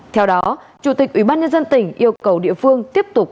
theo đó chủ tịch ủy ban nhân dân tỉnh yêu cầu địa phương tiếp tục